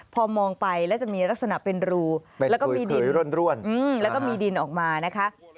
พอมองไปแล้วจะมีลักษณะเป็นรูแล้วก็มีดินออกมานะคะ